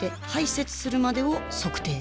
排泄するまでを測定